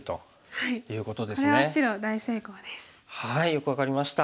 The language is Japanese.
よく分かりました。